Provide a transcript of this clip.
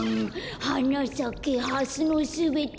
「はなさけハスのすべて」